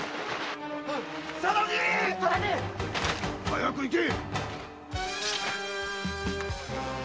早く行け！